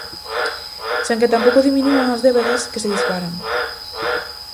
Sen que tampouco diminúan as débedas, que se disparan.